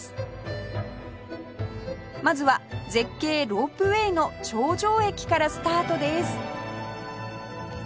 まずは絶景ロープウェーの頂上駅からスタートです